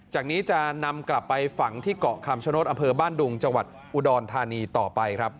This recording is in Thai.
จากนี้จะนำกลับไปฝังที่เกาะคำชโนธอำเภอบ้านดุงจังหวัดอุดรธานีต่อไปครับ